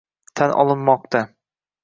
tan olinmoqda.